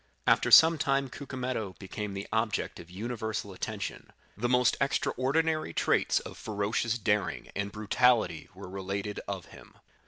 After some time Cucumetto became the object of universal attention; the most extraordinary traits of ferocious daring and brutality were related of him.